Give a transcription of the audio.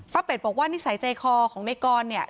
เป็ดบอกว่านิสัยใจคอของในกรเนี่ย